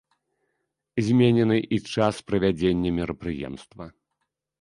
Зменены і час правядзення мерапрыемства.